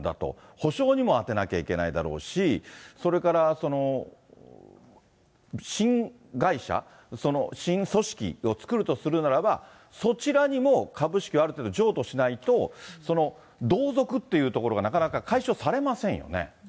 補償にも充てなきゃいけないだろうし、それから新会社、その新組織を作るとするならば、そちらにも株式はある程度譲渡しないと、同族っていうところがなかなか解消されませんよね。